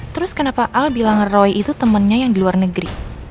terus kenapa al bilang roy itu temennya yang di luar negeri